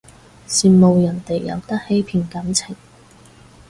羨慕人哋有得欺騙感情